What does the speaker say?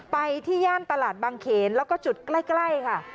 ไปที่ย่านตลาดบางเขนแล้วก็จุดใกล้ค่ะ